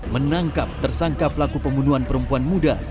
menangkap tersangka pelaku pembunuhan perempuan muda